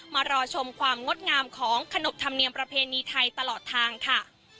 มารอชมความงดงามของขนบธรรมเนียมประเพณีไทยตลอดทางค่ะ